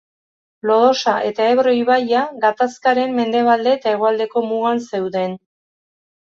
Lodosa eta Ebro ibaia gatazkaren mendebalde eta hegoaldeko mugan zeuden.